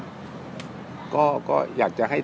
มันก็มีปัญหานอกระบบอีกอะไรอีก